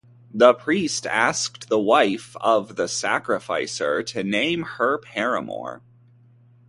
The priest asked the wife of the sacrificer to name her paramour.